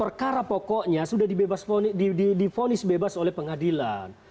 perkara pokoknya sudah dibebas difonis bebas oleh pengadilan